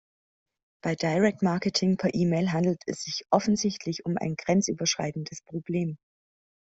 Bei direct marketing per E-Mail handelt es sich offensichtlich um ein grenzüberschreitendes Problem.